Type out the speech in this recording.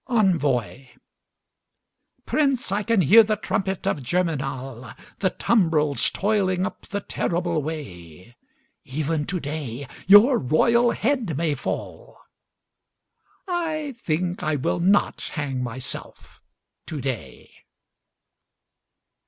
Envoi Prince, I can hear the trumpet of Germinal, The tumbrils toiling up the terrible way; Even today your royal head may fall I think I will not hang myself today.